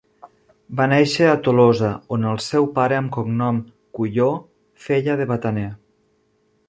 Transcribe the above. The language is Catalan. Va néixer a Tolosa, on el seu pare, amb cognom Cujaus, feia de bataner.